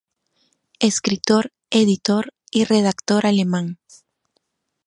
Escritor, editor y redactor alemán.